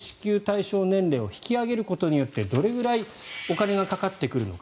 そして児童手当の所得制限の撤廃そして、支給対象年齢を引き上げることによってどれぐらいお金がかかってくるのか。